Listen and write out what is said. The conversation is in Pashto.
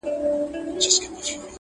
هره شپه به وي خپړي په نوکرځو!.